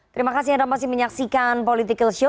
terima kasih anda masih menyaksikan political show